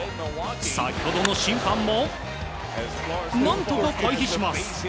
先ほどの審判も何とか回避します。